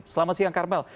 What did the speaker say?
selamat siang karmel